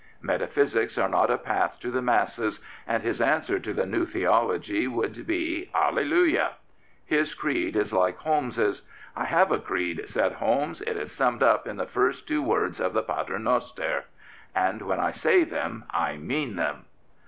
Metaphysics are not a path to the masses, and his answer to the " New Theology " would be " Halle lujah I " His creed is like Holmes'. "I have a creed," said Holmes. " It is summed up in the first two words of the Paternoster. And when I say them I mean them."